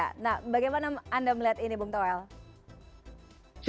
nah bagaimana anda melihat ini bung toel